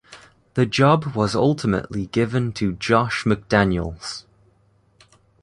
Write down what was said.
The job was ultimately given to Josh McDaniels.